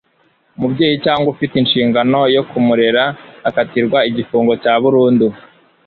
umubyeyi cyangwa ufite ishingano yo kumurera akatirwa igifungo cya burundu